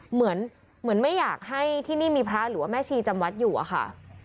เหมือนไม่อยากให้ที่นี่มีพระหรือว่าแม่ชีจำวัดอยู่อะค่ะ